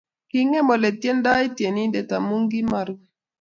Kingem oleityendoi tyenindet amu kimarue